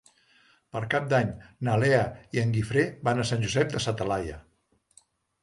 Per Cap d'Any na Lea i en Guifré van a Sant Josep de sa Talaia.